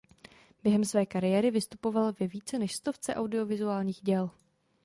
Během své kariéry vystupoval ve více než stovce audiovizuálních děl.